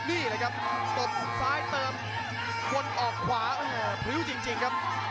นี่แหละครับตบซ้ายเติมคนออกขวาโอ้โหพริ้วจริงครับ